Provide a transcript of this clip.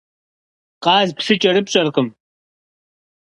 Къаз псы кӏэрыпщӏэркъым.